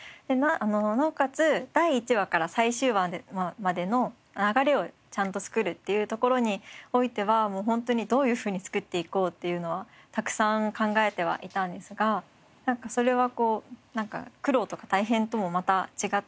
なおかつ第１話から最終話までの流れをちゃんと作るっていうところにおいてはもう本当にどういうふうに作っていこうっていうのはたくさん考えてはいたんですがそれはこうなんか苦労とか大変ともまた違って。